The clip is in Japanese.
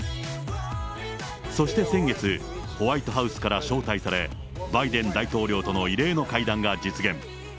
そして先月、ホワイトハウスから招待され、バイデン大統領との異例の会談が実現。